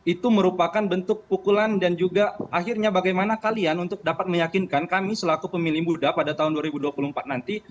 itu merupakan bentuk pukulan dan juga akhirnya bagaimana kalian untuk dapat meyakinkan kami selaku pemilih muda pada tahun dua ribu dua puluh empat nanti